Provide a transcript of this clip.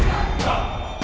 ajihan ini sirewangi